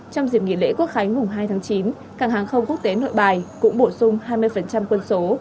trong dịp nghỉ lễ quốc khánh mùng hai tháng chín cảng hàng không quốc tế nội bài cũng bổ sung hai mươi quân số